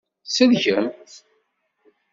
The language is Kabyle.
Tselkem.